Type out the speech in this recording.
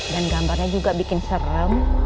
dan gambarnya juga bikin serem